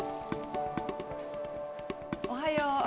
おはよう。